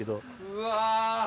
うわ！